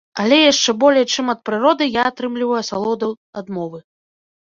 Але яшчэ болей, чым ад прыроды, я атрымліваю асалоду ад мовы.